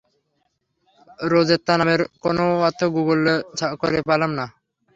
রোজেত্তা নামের কোন অর্থ গুগল করে পেলাম না।